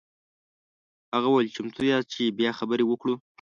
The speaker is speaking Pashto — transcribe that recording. هغه وویل چمتو یاست چې بیا خبرې وکړو.